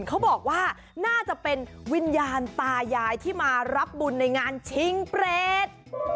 เขาบอกว่าน่าจะเป็นวิญญาณตายายที่มารับบุญในงานชิงเปรต